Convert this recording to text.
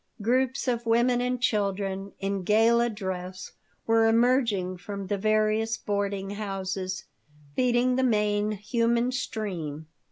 Groups of women and children in gala dress were emerging from the various boarding houses, feeding the main human stream.